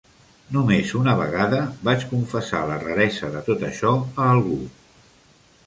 Només una vegada vaig confessar la raresa de tot això a algú.